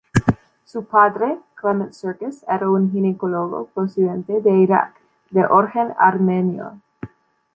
Su padre, Clement Serkis, era un ginecólogo procedente de Irak, de origen armenio.